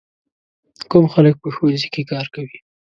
کوم خلک په ښوونځي کې کار کوي؟